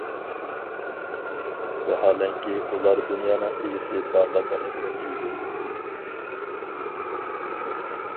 ۋاھالەنكى ئۇلار دۇنيانىڭ ئىگىسى بارلىقىنى ئۇنتۇيدۇ.